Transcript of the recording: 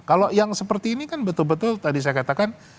kalau yang seperti ini kan betul betul tadi saya katakan